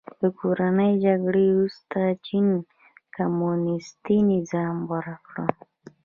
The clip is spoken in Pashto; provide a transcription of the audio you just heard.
د کورنۍ جګړې وروسته چین کمونیستي نظام غوره کړ.